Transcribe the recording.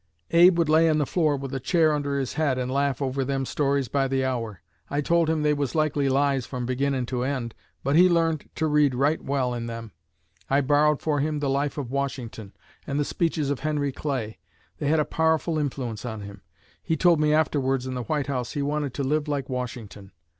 "] Abe would lay on the floor with a chair under his head and laugh over them stories by the hour. I told him they was likely lies from beginnin' to end, but he learned to read right well in them. I borrowed for him the Life of Washington and the Speeches of Henry Clay. They had a powerful influence on him. He told me afterwards in the White House he wanted to live like Washington.